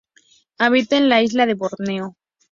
Habita en la isla de Borneo.